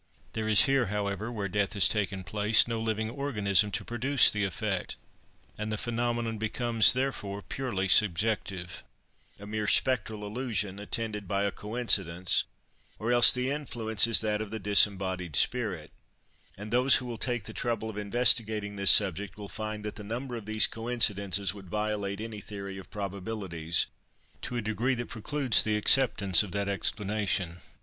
There is here, however, where death has taken place, no living organism to produce the effect, and the phenomenon becomes, therefore, purely subjective—a mere spectral illusion, attended by a coincidence, or else the influence is that of the disembodied spirit; and those who will take the trouble of investigating this subject will find that the number of these coincidences would violate any theory of probabilities, to a degree that precludes the acceptance of that explanation.